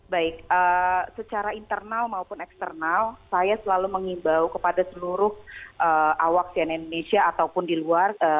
baik secara internal maupun eksternal saya selalu mengimbau kepada seluruh awak sian indonesia ataupun di luar